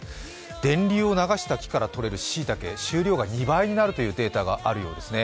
電流を流した木からとれたしいたけ、収穫量が増えたというデータがあるようですね。